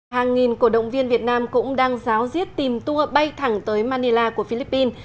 hàng nghìn cổ động viên việt nam cũng đang giáo diết tìm tour bay thẳng tới manila của philippines